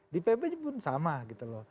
di pb pun sama gitu loh